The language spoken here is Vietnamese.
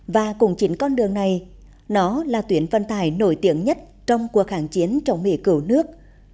và cùng chính con đường này nó là tuyển phân tài nổi tiếng nhất trong cuộc hạng chiến trong mỹ cửu nước